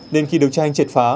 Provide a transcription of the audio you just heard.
đến khi được tra hành triệt phá